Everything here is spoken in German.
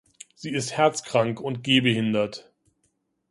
Sie ist herzkrank und gehbehindert.